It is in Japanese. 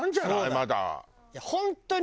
まだ。